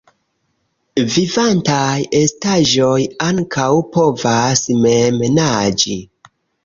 Vivantaj estaĵoj ankaŭ povas mem naĝi.